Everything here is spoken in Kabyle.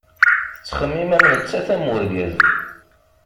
Tettxemmim am nettat am urgaz.